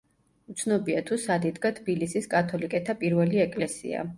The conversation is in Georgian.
უცნობია, თუ სად იდგა თბილისის კათოლიკეთა პირველი ეკლესია.